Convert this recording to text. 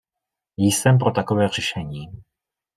Jsem pro takové řešení.